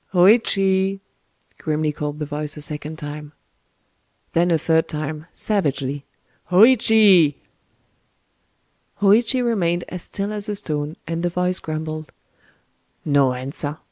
"Hōïchi!" grimly called the voice a second time. Then a third time—savagely:— "Hōïchi!" Hōïchi remained as still as a stone,—and the voice grumbled:— "No answer!